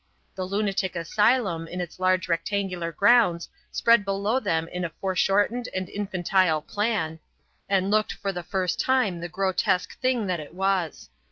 The lunatic asylum in its large rectangular grounds spread below them in a foreshortened and infantile plan, and looked for the first time the grotesque thing that it was.